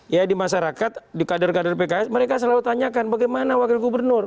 ya di masyarakat di kader kader pks mereka selalu tanyakan bagaimana wakil gubernur